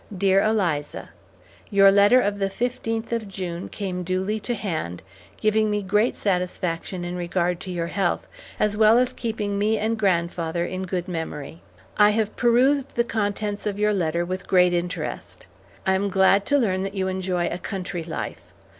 DEAR ELIZA: Your letter of the fifteenth of June came duly to hand, giving me great satisfaction in regard to your health, as well as keeping me and grandfather in good memory. I have perused the contents of your letter with great interest. I am glad to learn that you enjoy a country life.